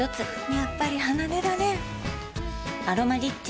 やっぱり離れられん「アロマリッチ」